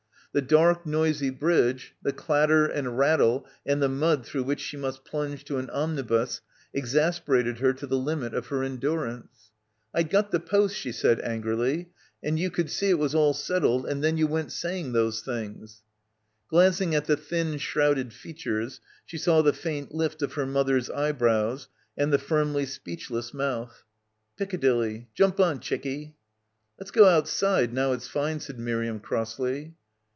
The dark, noisy bridge, the clatter and rattle and the mud through which she must plunge to an omnibus exasperated her to the limit of her endurance. "I'd got the post," she said angrily; "you could see it was all settled and then you went saying those things." Glancing at the thin shrouded features she saw the faint lift of her mother's eyebrows and the firmly speechless mouth. "Piccadilly — jump on, chickie." "Let's go outside now it's fine," said Miriam crossly.